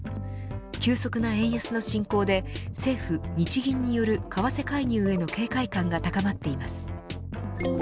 急速な円安の進行で政府、日銀による為替介入への警戒感が高まっています。